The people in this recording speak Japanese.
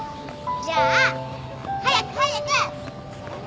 じゃあ早く早く！